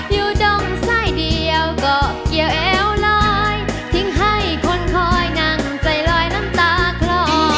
อยู่ดมไส้เดียวก็เกี่ยวเอวลอยทิ้งให้คนคอยนั่งใจลอยน้ำตาคลอ